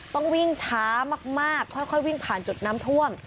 ต้องวิ่งช้ามากค่อยวิ่งผ่านจุดน้ำท่วม